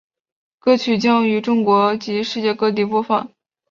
歌曲将于中国及世界各地播放。